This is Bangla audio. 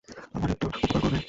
আমার একটা উপকার করবে?